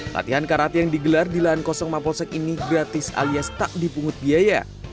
latihan karate yang digelar di lahan kosong mapolsek ini gratis alias tak dipungut biaya